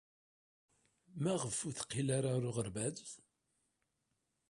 Maɣef ur teqqil ara ɣer uɣerbaz?